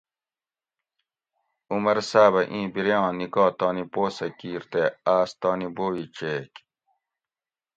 عمر صاۤبہ ایں بیریاں نِکاح تانی پو سہۤ کِیر تے آس تانی بووی چیگ